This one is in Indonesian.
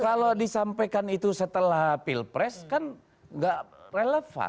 kalau disampaikan itu setelah pilpres kan gak relevan